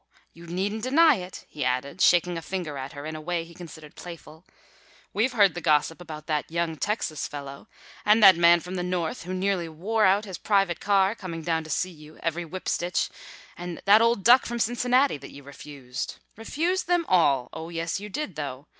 Oh, you needn't deny it!" he added, shaking a finger at her in a way he considered playful. "We've heard the gossip about that young Texas fellow and that man from the North who nearly wore out his private car coming down to see you every whip stitch and that old duck from Cincinnati that you refused. Refused them all! Oh, yes, you did, though.